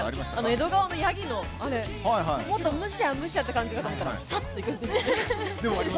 江戸川のヤギのあれ、もっとむしゃむしゃって感じかと思ったらサッっていくんですね。